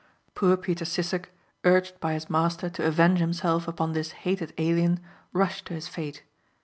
Poor Peter Sissek urged by his master to avenge himself upon this hated alien rushed to his fate.